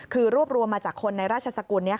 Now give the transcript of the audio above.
คือรวบรวมมาจากคนในราชสกุลนี้